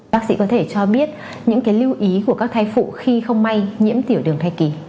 bác sĩ có thể cho biết những cái lưu ý của các thai phụ khi không may nhiễm tiểu đường thai kỳ